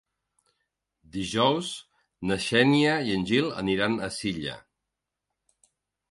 Dijous na Xènia i en Gil aniran a Silla.